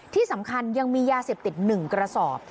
ที่สำคัญยังมียาเสพติด๑กระสอบ